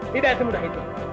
tidak semudah itu